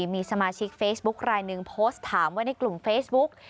มีสมาชิกเฟซบุ๊คลายหนึ่งโพสต์ถามไว้ในกลุ่มเฟซบุ๊ก